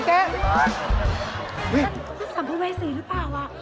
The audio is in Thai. เฮ่ยนั่นสัมภัยสีหรือเปล่า